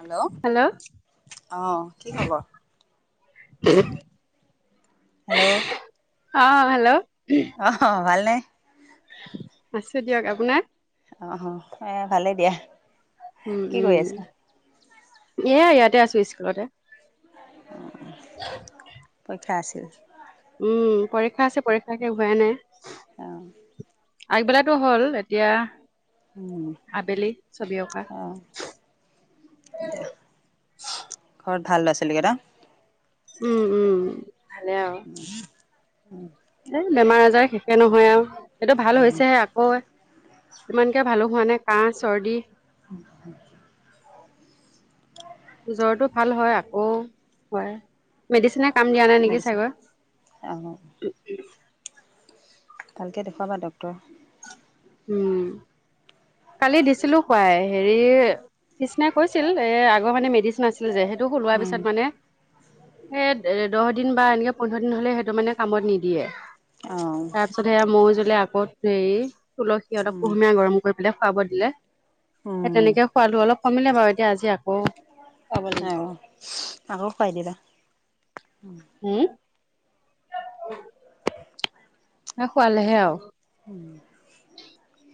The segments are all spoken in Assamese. হেল্ল'! অঁ, কি খবৰ? হেল্ল'! অ হেল্ল' অ ভাল নে। আছো দিয়ক আপোনাৰ আহ এ ভালেই দিয়া। উম কি কৰি উম আছা? এয়া ইয়াতে আছো স্কুলতে। পৰীক্ষা আছিল। উম পৰীক্ষা আছে পৰীক্ষা একে হুৱাই নাই। অ আগবেলাতো হ'ল এতিয়া উম আবেলি ছবি অঁকা অ দিয়া ঘৰত ভাল ল'ৰা ছোৱালী কেইটা উম উম ভালে আৰু। এ বেমাৰ আজাৰ শেষে নহয় আৰু এইটো ভাল হৈছেহে আকৌ। ইমানকে ভালো হোৱা নাই কাহ চৰ্দি অ জ্বৰটো ভাল হয় আকৌ হয় মেডিচিনে কাম দিয়া নাই নেকি মেডিচিন অ চাগৈ। ভালকে দেখুৱাবা ডক্তৰ, উম। কালি দিছিলো খোৱাই হেৰি কৃষ্ণাই কৈছিল এ আগৰ মানে মেডিচিন আছিল যে উম পিছত মানে হেই দিন বা এনেকে পোন্ধৰ দিন হলে সেইটো মানে কামত নিদিয়ে অ তাৰ পিছত সেয়া মৌজুলে ত হেৰি তুলসী অলক উম কুহুমীয়া গৰম কৰি পেলাই খুৱাব দিলে। সেই উম তেনেকে খোৱালো অলপ কমিলে বাৰু এতিয়া আজি আকৌ খুৱাব অ লাগিব। আকৌ খুৱাই দিবা। হম। ন খোৱালেহে আৰু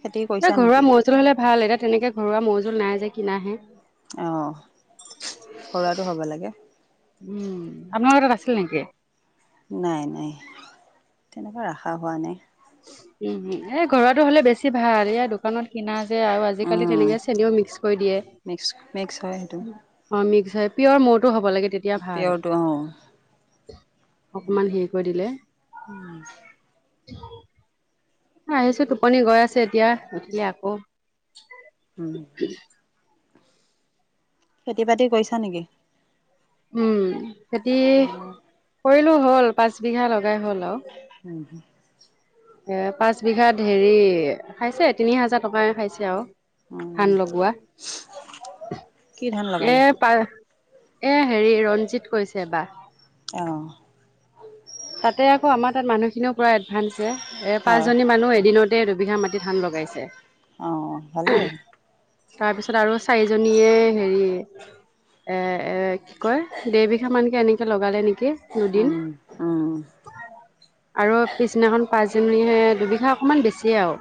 খেতি কৰিছা ঘৰুৱা নেকি? মৌজোল হলে ভাল এটা তেনেকে ঘৰুৱা মৌজোল নাই যে কিনাহে। আহ ঘৰুৱটো হ'ব লাগে। উম আপোনালোকৰ তাত আছিল নেকি? নাই নাই তেনেকুৱা ৰাখা হোৱা নাই। উম এ ঘৰুৱাতো হ'লে বেছি ভাল ই দোকানত কিনা আৰু আজিকালি উম তেনেকে চেনীও মিক্স কৰি দিয়ে। মিক্স মিক্স হয় সেইটো অ মিক্স পিয়ৰ মৌটো হ'ব লাগে তেতিয়া ভাল। পিয়ৰটো অ অকণমান হেৰি কৰি দিলে। আহিছো টোপনি গৈ আছে এতিয়া নুঠিলে আকৌ। উম। খেতি বাতি কৰিছা নেকি? উম খেতি অ' কৰিলো হ'ল পাঁচ বিঘা লগাই হ'ল আৰু। উম হ এ পাঁচ বিঘাত হেৰি খাইছে তিনি হাজাৰ টকা খাইছে আৰু। উম ধান লগোৱা কি ধান এ লগালা? পাই এ হেৰি ৰঞ্জিত কৈছে এবা অ তাতে আকৌ আমাৰ তাত মানুহ খিনিও পুৰা এডভান্স এ অ' পাঁচজনী মানুহ এদিনতে [unintelligible] বিঘা মাটিত ধান লগাইছে অঁ ভালেই তাৰপিছত আৰু চাৰিজনীয়ে হেৰি এ এ কি কয় দেবিঘা মানকে এনেকে লগালে নেকি দুদিন উম উম আৰু পিছদিনাখন পাঁচজনীহে দুবিঘা অকনমান বেছিয়ে আৰু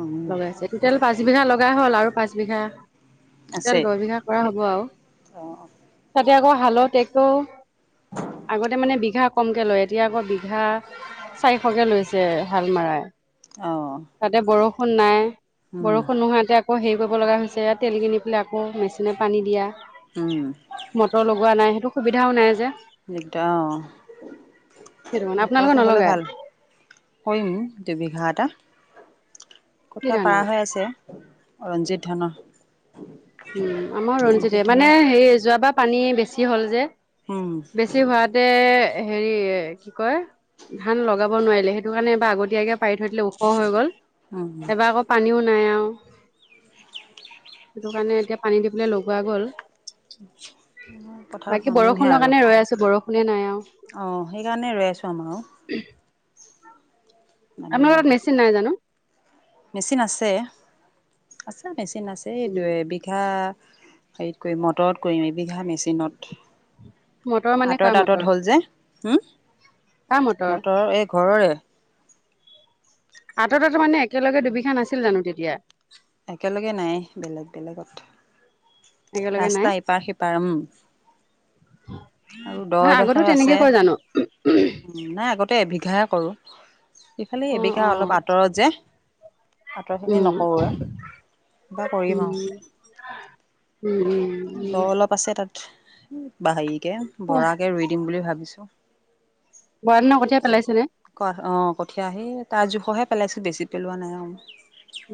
উম লগাইছে টোটেল পাঁচ বিঘা লগাই হ'ল আৰু পাঁচ বিঘা আছে দহ বিঘা কৰা হ'ব আৰু অ' তাতে আকৌ ভালো তেক্ট্ৰো আগতে মানে বিঘা [unintelligible] কমকৈ লয় এতিয়া আকৌ বিঘা চাৰিশকৈ লৈছে হাল মাৰাই অ তাতে বৰষুণ নাই উম বৰষুণ নোহোৱা এতিয়া আকৌ হেৰি কৰিব লগা হৈছে ইয়া তেল কিনি পেলাই আকৌ মেচিনে পানী দিয়া উম মটৰ লগোৱা নাই সেইটো সুবিধাও নাই যে দিগদাৰ সেইটো অ কাৰণে আপোনালোকৰ মটৰটো হ'লে নলগাই ভাল কৰিম দুবিঘা এটা কি কঠীয়া ধানৰ পাৰা হৈ আছে ৰঞ্জিত ধানৰ উম আমাৰ ৰঞ্জিত ৰঞ্জিতে মানে ধানৰ হে যোৱাবাৰ পানী বেছি হ'ল যে উম বেছি হোৱাতে হেৰি কি কয় ধান লগাব নোৱাৰিলে সেইটো কাৰণে এবাৰ আগতীয়াকে পাৰি থৈ দিলে ওখ হৈ গল উম এইবাৰ আকৌ পানীও [unintelligible] নাই আৰু সেইটো কাৰণে এতিয়া পানী দি পেলাই লগোৱা গ'ল পথাৰত বাকী নামিমহে বৰষুণৰ আৰু কাৰণে ৰৈ আছো বৰষুণে নাই আৰু অ সেইকাৰণে ৰৈ আছো আমাৰ আৰু নামিম আপোনালোকৰ আৰু মেচিন নাই জানো মেচিন আছে আছে মেচিন আছে এই দুই বিঘা হেৰিত কৰিম মটৰত কৰিম এবিঘা মেচিনত মটৰ মানে কাৰ আঁতৰত আঁতৰত মটৰ হ'ল যে হম কাৰ [unintelligible] মটৰ মটৰৰ এই ঘৰৰে আঁতত আঁতত মানে একেলগে দুবিঘা নাছিল জানো তেতিয়া একেলগে নাই বেলেগ বেলেগত একেলগে নাই ৰাস্তা ইপাৰ সিপাৰ আৰু দ নহয় আগতো এডখৰ আছে তেনেকে কয় জানো [unintelligible] উ নাই আগতে এবিঘাই কৰো ইফালে অ অ এবিঘা অলপ আঁতৰত যে আঁতৰ খিনি উম নকৰোৱে বা কৰিম উম আৰু উম উম দ অলপ আছে তাত বা হেৰিকে উম বৰাকে ৰুই দিম বুলি ভাবিছো বৰা দিনৰ কঠীয়াই পেলাইছিলে [unintelligible] ক অ কঠিয়া হে তাৰ জোখহে পেলাইছো বেছি পেলোৱা নাই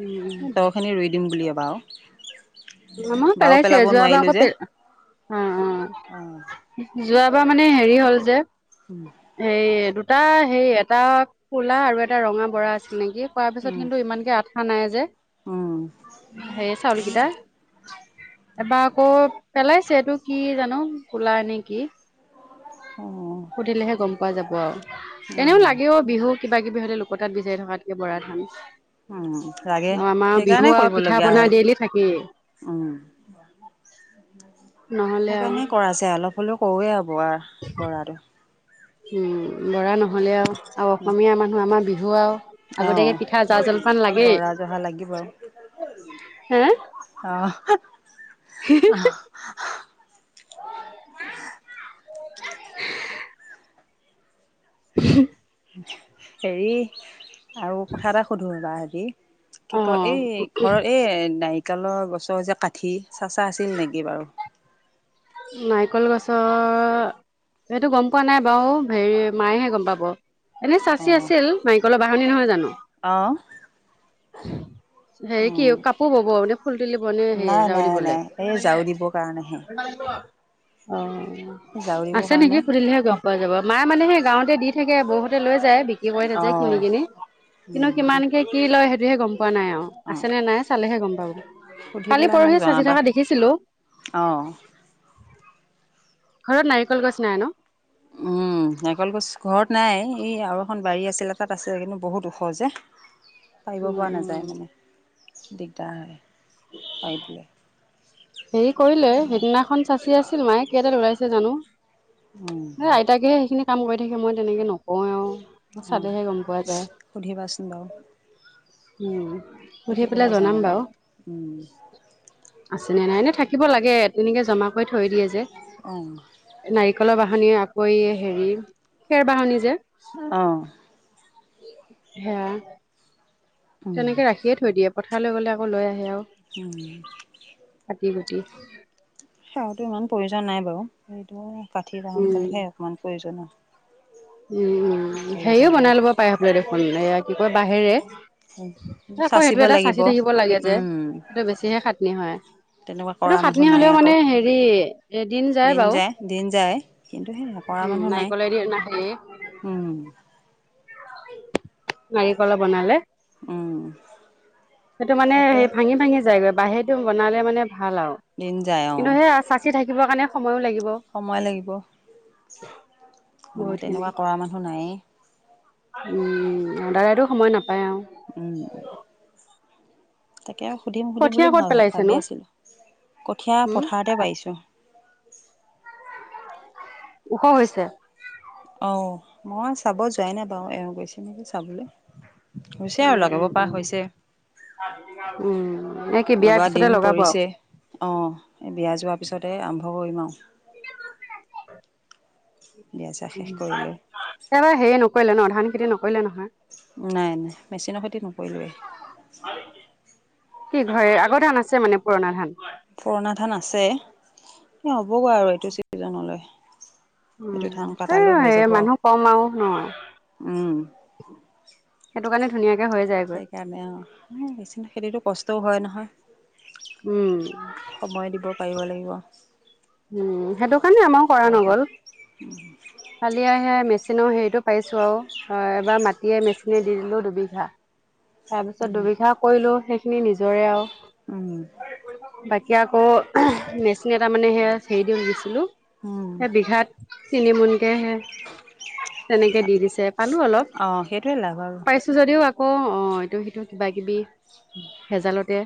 উম উম দখিনি ৰুই দিম বুলি বাও মই পেলাইছে পেলাব যোৱাবাৰ নোৱাৰিলোঁ আকৌ যে পে অ অ অঁ যোৱাবাৰ মানে হেৰি হ'ল যে এই দুই এটা হেই এটা কলা আৰু এটা ৰঙা বৰা আছিল নেকি কোৱাৰ পিছত উম কিন্তু ইমানকে আঠ নাই যে উম, সে চাউলকেইটা এবাৰ আকৌ পেলাইছে এইটো কি জানো কোলা নে কি উম, সুধিলেহে গম পোৱা যাব আৰু এনেও উম, লাগেও, বিহু কিবা কিবি হলে লোক তাত বিচাৰি থকাত বৰা ধান উম, লাগে অ আমাৰ সেইকাৰণে বিহু আৰু পিঠা কৰিবলগীয়া হয়। বনাই দেইলি থাকেই উম, নহলে আৰু সেইকাৰণে কৰা যে অলপ হ'লেও কৰোৱে আৰু। বৰা বৰাটো ল'ৰা নহ'লে আৰু অসমীয়া মানুহ আমাৰ বিহু আৰু অ', আগটিয়াকে পিঠা জা জলপান লাগেই। বৰা জহা লাগিব হে অ [unintelligible] [unintelligible] [unintelligible] হুম হেৰি আৰু কথা এটা সুধো ৰবা আজি। কি ক অ এই ঘৰৰ, এই নাই কালৰ গছৰ যে কাঠি চাচা আছিল নেকি বাৰু। নাৰিকল গছ। সেইটো গম পোৱা নাই বাৰু হেৰি মায়েহে গম পাব। এনে চাচি আছিল নাৰিকলৰ বাহনি নহয় জানো? অহ হেৰি কি কাপোৰ ববানে ফুল তুলিব নে হে নাই, নাই, জাউৰি বলে? নাই এই ঝাৰু দিবৰ কাৰণেহে অ ঝাৰু দিবৰ আছে নেকি কাৰণে খুলিলেহে গম পোৱা যাব। মায়ে মানে সেই গাঁৱতে দি থাকে বহুতে লৈ যায়, বিক্ৰী কৰি তাতে কিনি অ', কিনি। কিন্তু উম, কিমানকে কি লয় সেইটোহে গম পোৱা নাই আৰু অ', আছেনে নাই চালেহে গম পাব। সুধি কালি পেলাই মোক পৰহি চাচি জনাবা। থকা দেখিছিলো। অ', ঘৰত নাৰিকল গছ নাই ন? অ উ নকল গছ ঘৰত নাই এই আৰু এখন বাৰী আছিলে তাত আছে কিন্তু বহুত ওখৰ যে পাৰিব উম, পৰা নাযায় উম। মানে দিগদাৰ হয় পৰিবলে। হেৰি কৰিলে সিদিনাখন চাচি আছিল মায়ে কেইডাল ওলাইছে জানো! উম, আইতাকেহে সেইখিনি কাম কৰি থাকে মই তেনেকে নকওঁ আৰু। অ', চালেহে গম পোৱা যায়। সুধিবাচোন বাৰু উম। সুধি পেলাই জনাবা। উম। আছেনে নাই এনে থাকিব লাগে তেনেকে জমা কৰি থৈ দিয়ে যে অ'। নাৰিকলৰ বা ঢ়নী আকৌ হেৰি খেৰ বাহনি যে। অহ সেয়া, উম, তেনেকে ৰাখিয়ে থৈ দিয়ে পথাৰলৈ গ'লে আকৌ লৈ আহে আৰু। উম। তি সেয়াটো ইমান প্ৰয়োজন নাই বাৰু। এইটো কাঠি উম সোনকালে সে অকমান প্ৰয়োজন হয়। উম- উম হেৰিও বনাই লব পাৰে হ দেখোন এয়া কি কয় বাহিৰে আকৌ সেইটো চাচিব এটা লাগিব চাচি থাকিব লাগে যে। উম, সেইটো বেছিহে খাটনি হয়।।। তেনেকুৱা এইটো কৰা মানুহ খাতনি নাই হলেও মানে আকৌ হেৰি এদিন যায় দিন বাৰু। দিন যায় কিন্তু সেই উম কৰা মানুহ [unintelligible] নাই নাৰিকলে দি [unintelligible] আহ উম। নাৰিকলৰ বনালে। অঁ সেইটো মানে সেই ভাঙি ভাঙি যায়গৈ বাহিৰতটো বনালে মানে ভাল আৰু দিন যায় অঁ কিন্তু সেই চাচি থাকিবৰ কাৰণে সময়ো লাগিব। সময় লাগিব, সময় বহুতখিনি তেনেকুৱা কৰা মানুহ নায়েই। উম সদায়টো সময় নাপায়। আৰু উম তাকে সুধিম সুধিম কঠীয়া বুলি ভ ক'ত ভাবি পেলাইছেনো আছিলোঁ। কঠীয়া উম, পথাৰতে পাৰিছোঁ। ওখ হৈছে অঁ মই চাব যোৱাই নাই বাৰু এওঁ গৈছে নেকি চাবলৈ হৈছে উম আৰু লগাব উম পৰা হৈছে উম পথাৰ দিবিনা বুজিজে উম এই কি বিয়াৰ লগোৱা পিছতে দিন লগাব আৰু পৰিছে অ বিয়া যোৱাৰ পিছতে আৰ আৰম্ভ কৰিম আও উ লৈ এইবাৰ হেৰি নকৰিলে ন ধান খেতি ন নাই নাই মেচিনৰ খেতি নকৰিলোৱেই। কি ঘৰে আগৰ ধান আছে মানে পুৰণা ধান? পুৰণা ধান আছে এ হ'বগৈ আৰু এইটো চিজনলৈ উম সেই মানুহ কম আৰু নহয় উম সেইটো কাৰণে ধুনীয়াকে হৈ যায়গৈ সেইকাৰণে আও। মেচিন খেতিতো কষ্টও হয় নহয়। উম। সময় দিব পাৰিব লাগিব। উম সেইটো কাৰণে আমাৰ কৰা বৰষুণ নগল খালি আহে। মেচিনৰ হেৰিটো পাইছোঁ আৰু এবাৰ মাটিয়ে মেচিনে দি দিলোঁ দুবিঘা। তাৰ পিছত দুবিঘা কৰিলো সেইখিনি নিজৰে আৰু। উম। এতিয়া আকৌ মেচিন এটা মানে সেয়া হেৰি দিওঁ দিছিলোঁ। উম সে বিঘাত তিনিমোনকে হে। তেনেকে দি দিছে পালো অলপ অ সেইটোৱে লাভ আৰু পাইছো যদিও। অ অ এইটো সেইটো কিবা কিবি ভেজালতে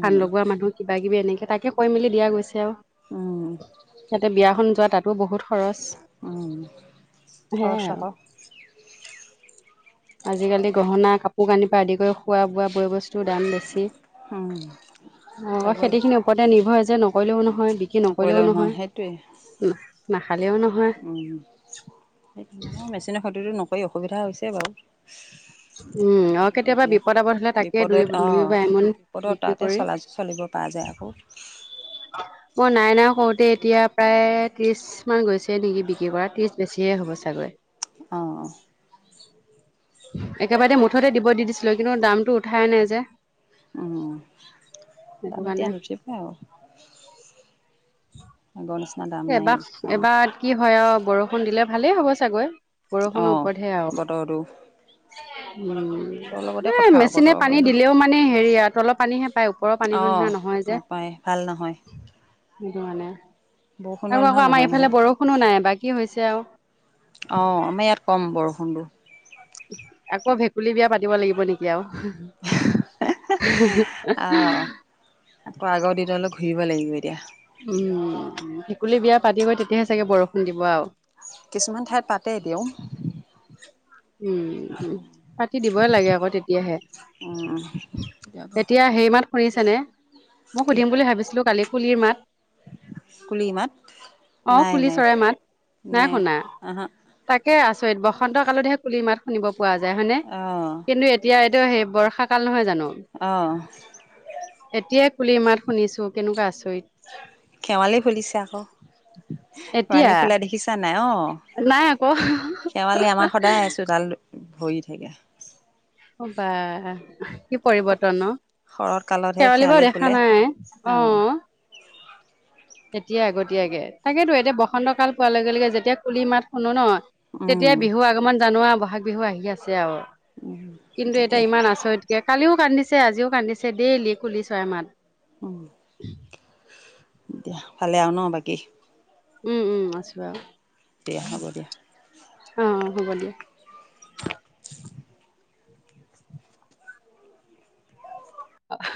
ধান লগোৱা মানুহ। কিবা কিবি এনেকে তাকে কৈ মেলি দিয়া গৈছে আৰু উম সিহঁতে বিয়াখন যোৱা তাতো বহুত। খৰচ উম সেয়াই খৰচ আৰু। আকৌ আজিকালি গহনা কাপোৰ কানিৰ পৰা আদি কৰি খোৱা বোৱা বয় বস্তুৰ দাম বেছি। উম যাবই খেতি খিনিৰ ওপৰতে নিৰ্ভৰ যে নকৰিলেও নহয় বিক্ৰী নকৰিলেও নহয়। ন না স মেচিনৰ সষতিতো নকৰি অসুবিধা হৈছে বাৰু। [unintelligible] উম আৰু তথাপিতো কেতিয়াবা দিয়া বিপদ আপদ হলে তাকে দুই বিপদত দুই বা এমন অহ বিপদত বিক্ৰী তাতে কৰি চল চলিব পাৰে। য়ায় আক মই নাই নাই কৰুতে এতিয়া প্ৰায় ত্ৰিছ মান গৈছে নেকি বিক্ৰী কৰা ত্ৰিছ বেছিহে হ'ব চাগৈ। অঁহ অহ। একেবাৰে মুঠতে দিব দি দিছিলোঁ কিন্তু দামটো উঠাই নাই যে। উম সেইটো দাম এতিয়া কাৰণে নুঠিই আও আগৰ নিচিনা দাম নাই এবাৰ ধানৰ এবাৰ কি হয় অ। বৰষুণ দিলে ভালেই হ'ব চাগৈ বৰষুণৰ অঁ ওপৰতহে আৰু। বতৰটো বতৰৰ লগতে এই কথা আৰু মেচিনে বতৰ পানী কৰিলে দিলেও মানে হেৰি আৰু তলৰ পানীহে পায় ওপৰৰ পানী অঁ নাপায় ভাল নহয়। সেইটো মানে বৰষুণৰ আৰু নহয় আকৌ আমাৰ নহয় নহয় ইফালে বৰষুণো নাই বাকি হৈছে আৰু। অ আমাৰ ইয়াত কম বৰষুণটো। আকৌ ভেকুলী বিয়া পাতিব লাগিব নেকি আৰু। অঁ [unintelligible] আকৌ আগৰ দিনলৈ ঘূৰিব লাগিব এতিয়া। উম ভেকুলী বিয়া পাতি গৈ তেতিয়াহে চাগে বৰষুণ দিব আৰু। কিছুমান ঠাইত পাতে এতিয়াও। উম পাতি দিবই লাগে আকৌ তেতিয়াহে। উম এতিয়া সেই মাত শুনিছেনে মোক সুধিম বুলি ভাবিছিলো কালি কুলিৰ মাত। কুলিমাত অ, নাই কুলি নাই। চৰাই মাত নাই শুনা আহা তাকে আছে। বসন্ত কালতহে কুলি মাত শুনিব পোৱা যায় হয়নে অঁ কিন্তু এতিয়া। সেই বৰ্ষা কাল নহয় জানো অঁ এতিয়া। পুলি ইমাৰাত শুনিছোঁ কেনেকুৱা আছঁ ই। [unintelligible] হেৱালী ফুলিছে আকৌ। [unintelligible] এতিয়া কোৱালি ফুলা দেখিছা নাই অ। নাই আকৌ [unintelligible] শেৱালি আমাৰ সদায় ছোতাল ভৰি থাকে। বা কি পৰিৱৰ্তন ন শৰৎ [unintelligible] কালতহে শেৱালি বাৰু ফুলে দেখা নাই অঁ অহ। এতিয়া আগতীয়াকে তাকেতো এতিয়া বসন্ত কাল পোৱাৰ লগে লগে যেতিয়া কুলি মাত শুনো ন। তেতিয়া বিহু আগমন জানোৱা বহাগ বিহু আহি আছে আও। কিন্তু এতিয়া ইমান আচৰিতকে কালিও কান্দিছে আজিও কান্দিছে দেইলি কুলি চৰাই মাত। উ দিয়া ভালে আও ন বাকী। উম উম আছো আৰু। তেতিয়া হব দিয়া। গুগলিয় [unintelligible] অ [unintelligible]